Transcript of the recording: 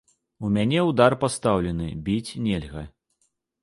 У мяне ўдар пастаўлены, біць нельга.